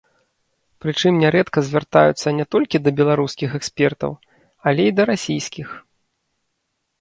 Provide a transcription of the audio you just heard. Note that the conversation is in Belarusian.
Прычым нярэдка звяртаюцца не толькі да беларускіх экспертаў, але і да расійскіх.